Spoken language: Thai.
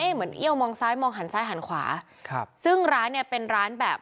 เอี้ยวมองซ้ายมองหันซ้ายหันขวาครับซึ่งร้านเนี้ยเป็นร้านแบบ